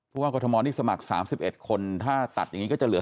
ว่ากรทมนี่สมัคร๓๑คนถ้าตัดอย่างนี้ก็จะเหลือ